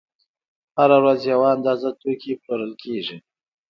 هره ورځ یوه اندازه توکي پلورل کېږي